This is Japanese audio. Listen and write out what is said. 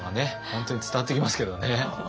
本当に伝わってきますけどね。